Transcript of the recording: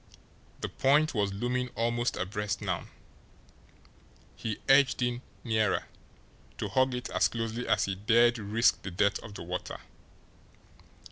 The point was looming almost abreast now. He edged in nearer, to hug it as closely as he dared risk the depth of the water.